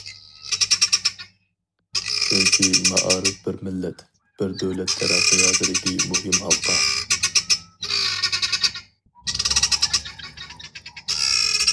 چۈنكى مائارىپ بىر مىللەت، بىر دۆلەت تەرەققىياتىدىكى مۇھىم ھالقا.